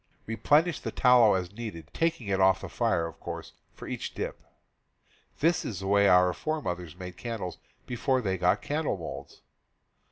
Replenish the tallow as needed, taking it off the fire, of course, for each dip. This is the way our fore mothers made candles before they got candle molds.